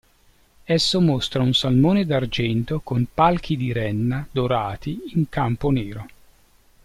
Esso mostra un salmone d'argento con palchi di renna dorati in campo nero.